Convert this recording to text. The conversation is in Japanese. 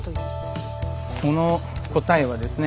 その答えはですね